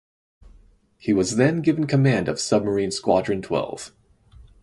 He was then given command of Submarine Squadron Twelve.